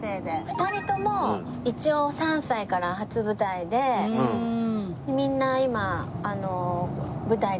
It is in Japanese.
２人とも一応３歳から初舞台でみんな今舞台出てます。